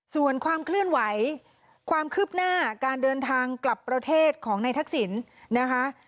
ส่วนความเคลื่อนไหวความคืบหน้าการเดินทางกลับประเทศของนายทักษิณนะคะ